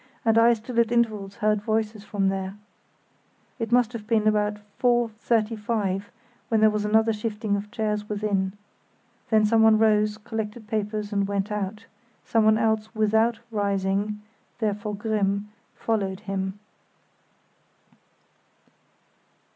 and I still at intervals heard voices from there. It must have been about 4.35 when there was another shifting of chairs within. Then someone rose, collected papers, and went out; someone else, without rising (therefore Grimm), followed him.